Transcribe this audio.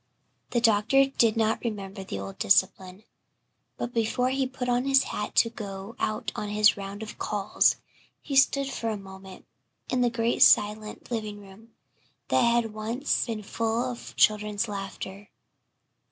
The doctor did not remember the old discipline. But before he put on his hat to go out on his round of calls he stood for a moment in the great silent living room that had once been full of children's laughter.